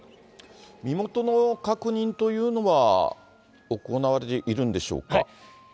身元の確認というのは行われているんでしょうか？